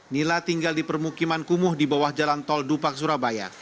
nila tinggal di permukiman kumuh di bawah jalan tol dupak surabaya